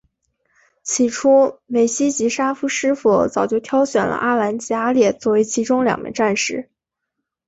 起初美希及沙夫师傅早就挑选了阿兰及阿烈作为其中两名战士。